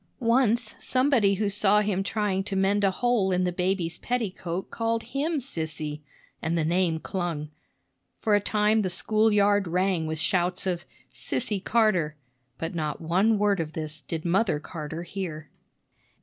Once, somebody who saw him trying to mend a hole in the baby's petticoat called him "Sissy," and the name clung; for a time the school yard rang with shouts of "Sissy Carter." But not one word of this did Mother Carter hear.